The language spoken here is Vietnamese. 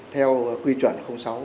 theo quy chuẩn sáu